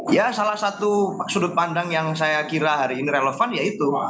ya salah satu sudut pandang yang saya kira hari ini relevan ya itu